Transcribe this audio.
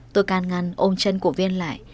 tôi can ngăn ôm chân của viên lại